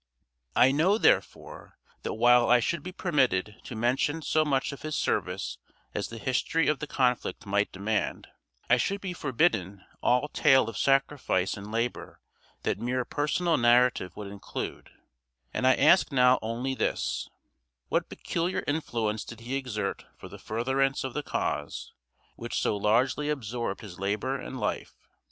I know, therefore, that while I should be permitted to mention so much of his service as the history of the conflict might demand, I should be forbidden all tale of sacrifice and labor that mere personal narrative would include; and I ask now only this: What peculiar influence did he exert for the furtherance of the cause which so largely absorbed his labor and life?